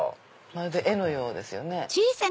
まるで絵のようですよね。